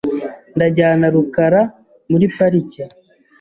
Ndajyana rukara muri parike .